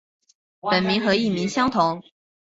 本名和艺名相同。